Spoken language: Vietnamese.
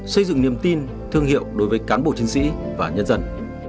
xây dựng niềm tin thương hiệu đối với cán bộ chiến sĩ và nhân dân